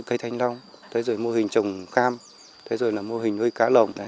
cây thanh long mô hình trồng cam mô hình nuôi cá lồng